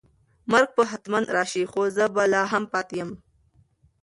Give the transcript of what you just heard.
مرګ به حتماً راشي خو زه به لا هم پاتې یم.